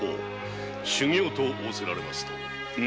修業と仰せられますと？